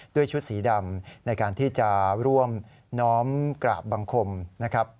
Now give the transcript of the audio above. ด้วยชุดสีดำในการที่จะร่วมน้อมกราบบังคมนะครับ